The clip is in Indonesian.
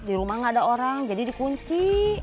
di rumah gak ada orang jadi dikunci